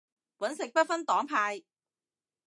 搵食不分黨派